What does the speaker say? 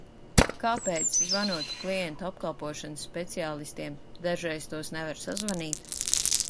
Kāpēc, zvanot klientu apkalpošanas speciālistiem, dažreiz tos nevar sazvanīt?